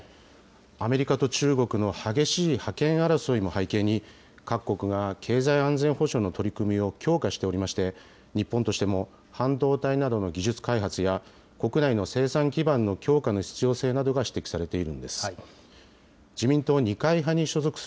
アメリカと中国の激しい覇権争いも背景に、各国が経済安全保障の取り組みを強化しておりまして、日本としても半導体などの技術開発や、国内の生産基盤の強化の必要性などが指摘されているんです。